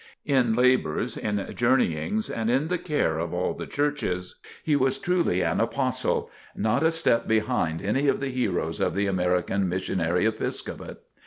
In labors, in journeyings and in "the care of all the churches," he was truly an Apostle, not a step behind any of the heroes of the American Missionary Episcopate.